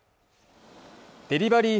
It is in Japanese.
デリバリー